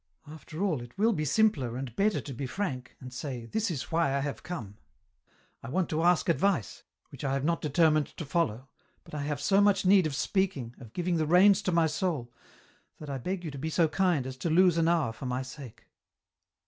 After all, it will be simpler and better to be frank, and say, ' This is why I have come ; I want to ask advice, which I have not determined to follow, but I have so much need of speaking, of giving the reins to my soul, that I beg you to be so kind as to lose an hour for my sake.'